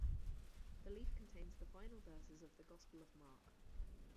The leaf contains the final verses of the Gospel of Mark.